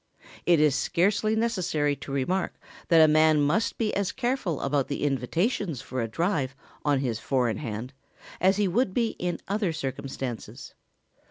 It is scarcely necessary to remark that a man must be as careful about the invitations for a drive on his four in hand as he would be in other circumstances.